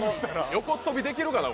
横っ飛びできるかな？